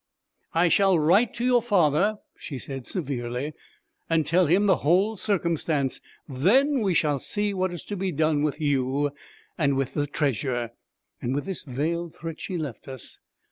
'I shall write to your father,' she said, severely, 'and tell him the whole circumstance. Then we shall see what is to be done with you, and with the treasure.' With this veiled threat she left us.